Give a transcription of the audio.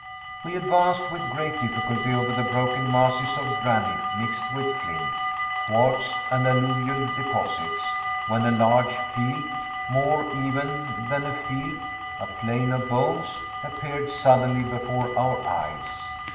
We advanced with great difficulty over the broken masses of granite mixed with flint, quartz, and alluvial deposits, when a large field, more even than a field, a plain of bones, appeared suddenly before our eyes!